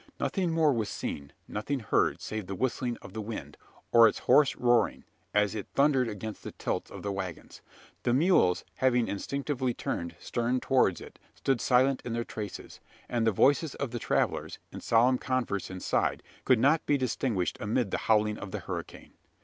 Nothing more was seen nothing heard, save the whistling of the wind, or its hoarse roaring, as it thundered against the tilts of the waggons. The mules having instinctively turned stern towards it, stood silent in their traces; and the voices of the travellers, in solemn converse inside, could not be distinguished amid the howling of the hurricane.